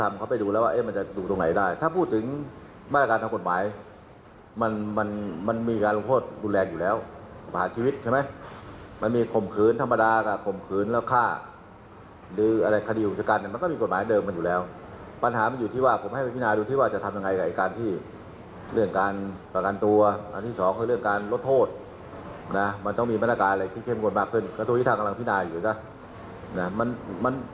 มีมาตรการอะไรที่เข้มงวดมากขึ้นกระทรวงยุติธรรมกำลังพินาอยู่กัน